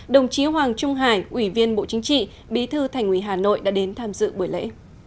đồng chí hoàng trung hải ủy viên bộ chính trị bí thư thành ủy hà nội đã đến tham dự buổi lễ